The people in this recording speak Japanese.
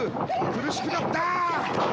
苦しくなった！